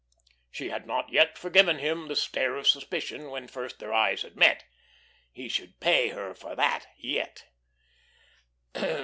She had not yet forgiven him that stare of suspicion when first their eyes had met; he should pay her for that yet.